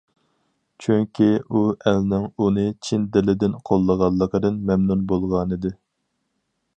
چۈنكى، ئۇ ئەلنىڭ ئۇنى چىن دىلىدىن قوللىغانلىقىدىن مەمنۇن بولغانىدى.